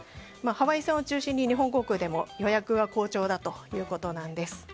ハワイ線を中心に日本航空でも予約が好調だということです。